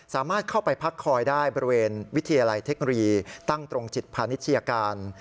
สามารถเข้าไปพักคอยได้บริเวณวิทยาลัยเทคโนโลยีตั้งตรงจิตพาณิชยาการ